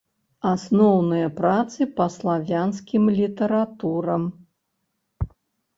Асноўныя працы па славянскім літаратурам.